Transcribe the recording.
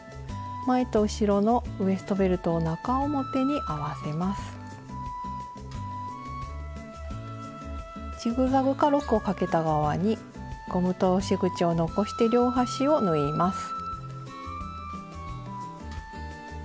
前と後ろのウエストベルトをジグザグかロックをかけた側にゴム通し口を残して両端を縫います。